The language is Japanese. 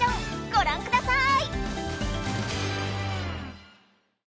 ごらんください！